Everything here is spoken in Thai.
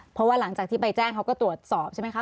เพราะว่าหลังจากที่ไปแจ้งเขาก็ตรวจสอบใช่ไหมคะ